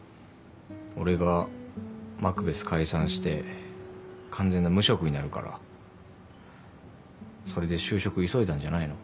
俺がマクベス解散して完全な無職になるからそれで就職急いだんじゃないの？